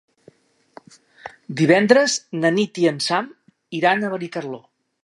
Divendres na Nit i en Sam iran a Benicarló.